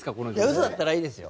嘘だったらいいですよ。